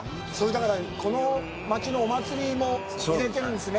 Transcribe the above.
だから、この町のお祭りも入れてるんですね。